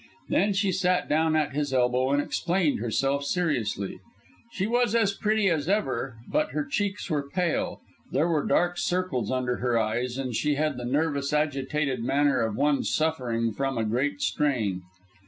Then she sat down at his elbow and explained herself seriously. She was as pretty as ever, but her cheeks were pale, there were dark circles under her eyes, and she had the nervous, agitated manner of one suffering from a great strain.